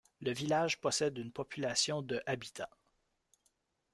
Le village possède une population de habitants.